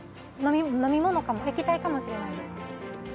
飲み物かも液体かもしれないです。